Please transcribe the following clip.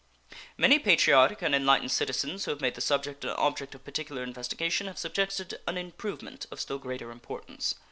Many patriotic and enlightened citizens who have made the subject an object of particular investigation have suggested an improvement of still greater importance.